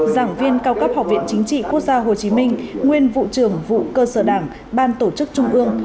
giảng viên cao cấp học viện chính trị quốc gia hồ chí minh nguyên vụ trưởng vụ cơ sở đảng ban tổ chức trung ương